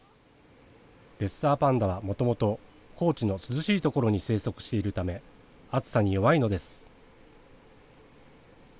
レッサーパンダはもともと高地の涼しいところに生息しているため暑さに弱いのです。